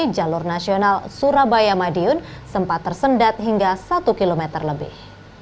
jalur nasional surabaya madiun sempat tersendat hingga satu km lebih